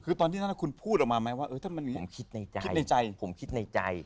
คือตอนที่นั้นคุณพูดออกมามั้ยว่าผมคิดในใจ